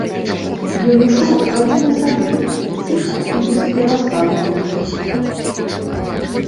Ён ішоў гадзіны са дзве ціха і бесперастанку.